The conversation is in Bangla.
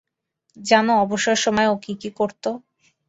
জানো অবসর সময়ে ও কী কী করতো?